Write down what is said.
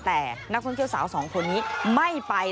แต่นักท่องเที่ยวสาวสองคนนี้ไม่ไป